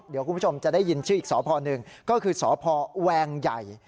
เดี๋ยวคุณผู้ชมจะได้ยินชื่ออีกสพหนึ่งก็คือสพแวงใหญ่